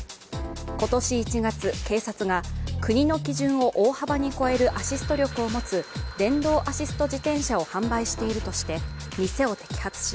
今年１月、警察が国の基準を大幅に超えるアシスト力を持つ電動アシスト自転車を販売しているとして、店を摘発し